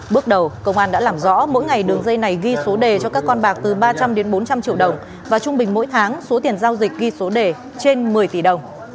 bước đầu công an đã làm rõ mỗi ngày đường dây này ghi số đề cho các con bạc từ ba trăm linh đến bốn trăm linh triệu đồng và trung bình mỗi tháng số tiền giao dịch ghi số đề trên một mươi tỷ đồng